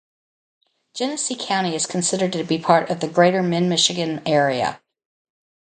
Genesee County is considered to be a part of the greater Mid Michigan area.